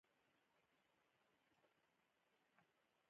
پیاز د وجود ګرمښت کموي